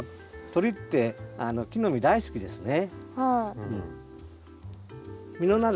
鳥って木の実大好きですね。